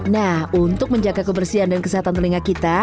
nah untuk menjaga kebersihan dan kesehatan telinga kita